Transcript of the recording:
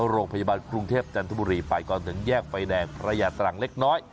โรงพยาบาลกรุงเทพจันทบุรีไปก่อนถึงแยกไฟแดงพระยาตรังเล็กน้อย